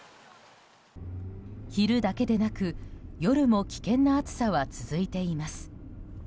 昼だけでなく夜も危険な暑さは続いています。